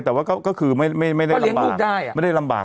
แต่ว่าก็ก็คือไม่ไม่ไม่ได้พอเลี้ยงลูกได้ไม่ได้ลำบาก